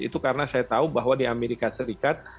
itu karena saya tahu bahwa di amerika serikat